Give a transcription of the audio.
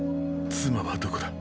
妻はどこだ。